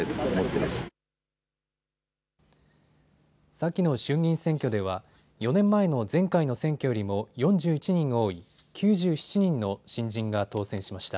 先の衆議院選挙では４年前の前回の選挙よりも４１人多い９７人の新人が当選しました。